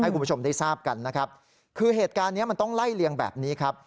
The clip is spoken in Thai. คุณผู้ชมได้ทราบกันนะครับคือเหตุการณ์เนี้ยมันต้องไล่เลียงแบบนี้ครับ